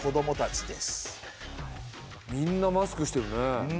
みんなマスクしてるね。